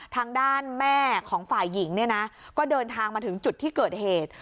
ทางด้านแม่ของฝ่ายหญิงเนี่ยนะก็เดินทางมาถึงจุดที่เกิดเหตุ